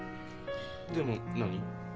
でも何？